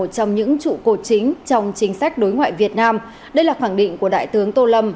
trong những trụ cột chính trong chính sách đối ngoại việt nam đây là khẳng định của đại tướng tô lâm